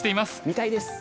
見たいです！